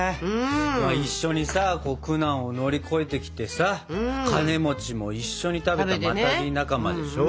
一緒にさ苦難を乗り越えてきてさカネも一緒に食べたマタギ仲間でしょ？